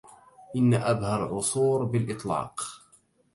إن أبهى العصور بالإطلاق